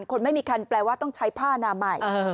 คนไม่มีคันแปลว่าต้องใช้ผ้านามัย